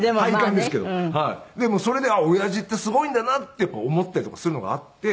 それで親父ってすごいんだなって思ったりとかするのがあって。